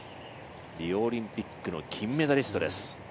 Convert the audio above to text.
リオオリンピックの金メダリストです。